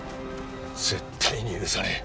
絶対に許さねえ！